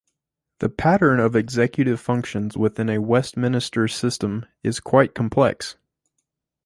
The pattern of executive functions within a Westminster System is quite complex.